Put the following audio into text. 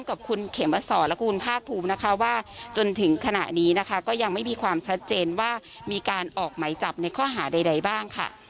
กับคุณเขมสอนและคุณภาคภูมินะคะว่าจนถึงขณะนี้นะคะก็ยังไม่มีความชัดเจนว่ามีการออกไหมจับในข้อหาใดบ้างค่ะ